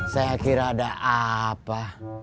saya kira ada apa